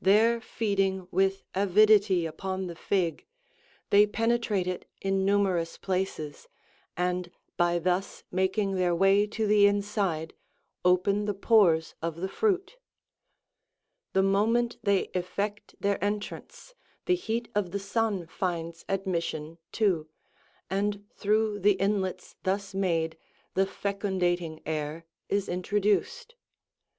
There feeding with avidity upon the fig, they penetrate it in numerous places, and by thus making their way to the inside, open the pores of the fruit.80 The moment they effect their entrance, the heat of the sun finds admission too, and through the inlets thus made the fecundating air is introduced.